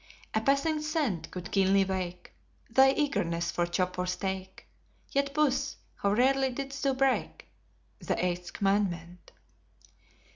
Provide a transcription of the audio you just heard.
A passing scent could keenly wake Thy eagerness for chop or steak, Yet, Puss, how rarely didst thou break The eighth commandment.